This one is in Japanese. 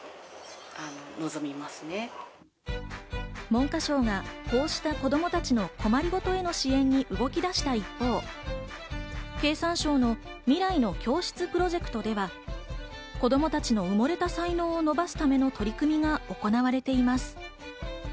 文科省がこうした子供たちの困りごとへの支援に動き出した一方、経産省の未来の教室プロジェクトでは、子供たちの埋もれた才能を伸ばすための取り組みが行われています。